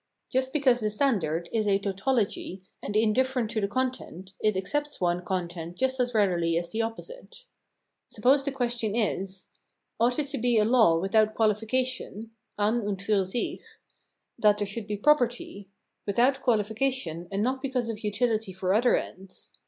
Just because the standard is a tau tology and indifferent to the content, it accepts one content just as readily as the opposite. Suppose the question is :— ought it to be a law without quahfication {an und fur sick) that there should be property :— without quahfication, and not because of utiHty for other ends.